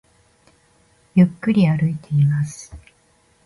ゆっくり歩いています